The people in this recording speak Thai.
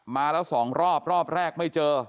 มาแล้ว๒รอบรอบแรกไม่เจอ